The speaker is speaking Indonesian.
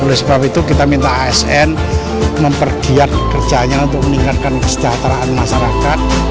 oleh sebab itu kita minta asn mempergiat kerjanya untuk meningkatkan kesejahteraan masyarakat